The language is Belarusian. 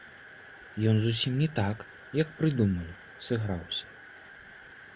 Ён зусім не так, як прыдумалі, сыграўся.